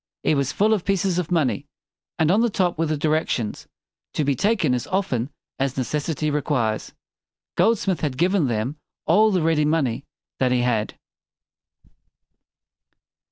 It was full of pieces of money. And on the top were the di rec tions: "TO BE TAKEN AS OFTEN AS NE CES SI TY REQUIRES." Goldsmith had given them all the ready money that he had.